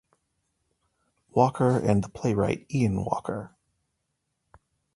Walker and the playwright Ian Walker.